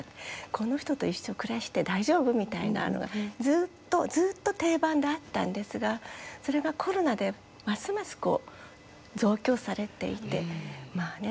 この人と一生暮らして大丈夫？みたいなのがずっとずっと定番だったんですがそれがコロナでますます増強されていてまあね